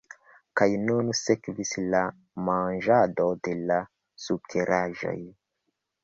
Kaj nun sekvis la manĝado de la sukeraĵoj.